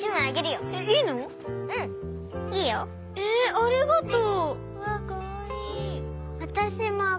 ありがとう。